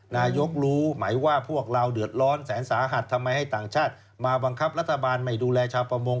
นายกรู้ไหมว่าพวกเราเดือดร้อนแสนสาหัสทำไมให้ต่างชาติมาบังคับรัฐบาลไม่ดูแลชาวประมง